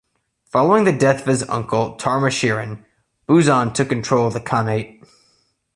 Following the death of his uncle Tarmashirin, Buzan took control of the khanate.